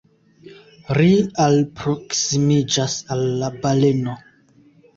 Ri alproksimiĝas al la baleno.